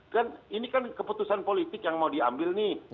kan ini kan keputusan politik yang mau diambil nih